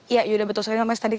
ya yudha betul sekali